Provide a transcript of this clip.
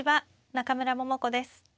中村桃子です。